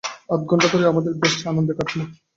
আধঘণ্টা ধরে আমাদের বেশ আনন্দে কাটল।